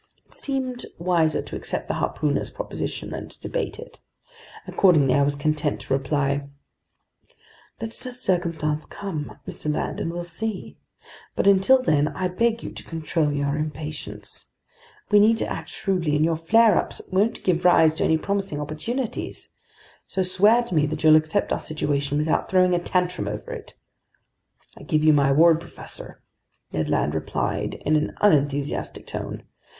It seemed wiser to accept the harpooner's proposition than to debate it. Accordingly, I was content to reply: "Let such circumstances come, Mr. Land, and we'll see. But until then, I beg you to control your impatience. We need to act shrewdly, and your flare ups won't give rise to any promising opportunities. So swear to me that you'll accept our situation without throwing a tantrum over it." "I give you my word, professor," Ned Land replied in an unenthusiastic tone.